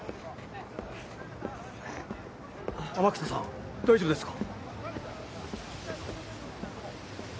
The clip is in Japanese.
天草さん大丈夫ですか？